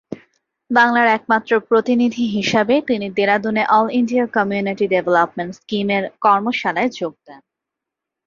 বাংলার একমাত্র প্রতিনিধি হিসাবে তিনি 'দেরাদুনে অল ইন্ডিয়া কমিউনিটি ডেভেলপমেন্ট স্কিম'-এর কর্মশালায় যোগ দেন।